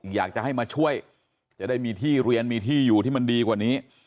อยากจะให้มาช่วยจะได้มีที่เรียนมีที่อยู่ที่มันดีกว่านี้